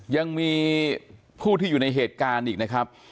ยังมีผู้ที่อยู่ในเหตุการณ์อีกนะครับ